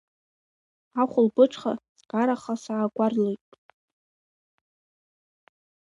Ахәлбыҽха скараха саагәарлоит.